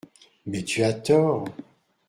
Mais tu as tort !